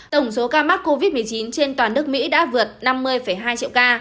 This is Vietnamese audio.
tổng số ca mắc covid một mươi chín trên toàn nước mỹ đã vượt năm mươi hai triệu ca